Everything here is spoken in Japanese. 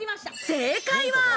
正解は。